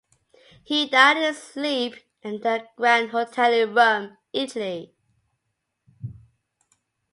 He died in his sleep at the Grand Hotel in Rome, Italy.